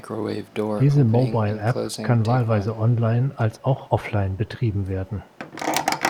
Diese Mobile App kann wahlweise Online als auch Offline betrieben werden.